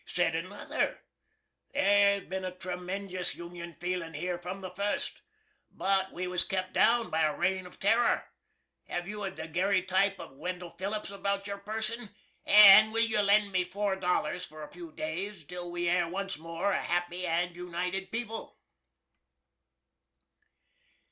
Said another, "There's bin a tremendous Union feelin here from the fust. But we was kept down by a rain of terror. Have you a dagerretype of Wendell Phillips about your person? and will you lend me four dollars for a few days till we air once more a happy and united people."